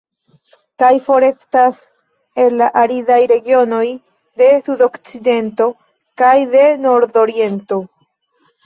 Kaj forestas el la aridaj regionoj de Sudokcidento kaj de Nordoriento.